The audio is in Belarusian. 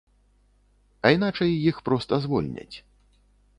А іначай іх проста звольняць.